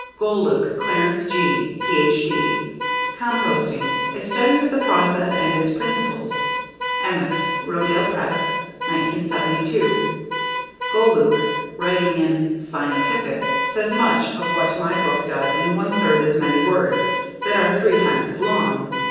Golueke, Clarence G., Ph.D. Composting: A Study of the Process and its Principles. Emmaus: Rodale Press, 1972. Golueke, writing in "scientific" says much of what my book does in one third as many words that are three times as long.